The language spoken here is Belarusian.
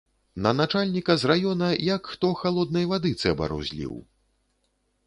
На начальніка з раёна як хто халоднай вады цэбар узліў.